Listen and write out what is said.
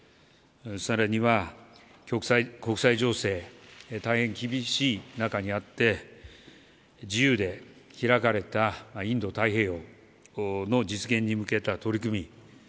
更には国際情勢、大変厳しい中にあって自由で開かれたインド太平洋の実現に向けた取り組み